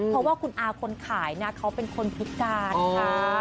เพราะว่าคุณอาคนขายนะเขาเป็นคนพิการค่ะ